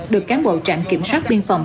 được cán bộ trạm kiểm soát biên phòng